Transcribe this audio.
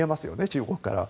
中国からは。